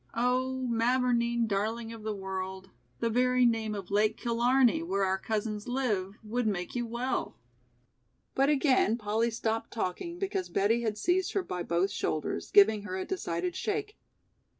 Oh, Mavourneen darling of the world, the very name of Lake Killarney, where our cousins live, would make you well." But again Polly stopped talking because Betty had seized her by both shoulders, giving her a decided shake.